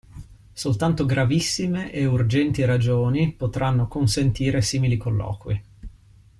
Soltanto gravissime e urgenti ragioni potranno consentire simili colloqui.